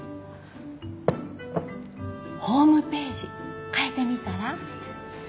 ホームページ変えてみたら？